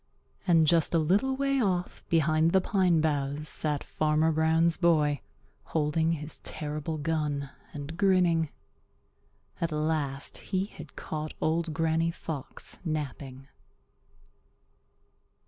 And just a little way off behind the pine boughs sat Farmer Brown's boy holding his terrible gun and grinning. At last he had caught Old Granny Fox napping.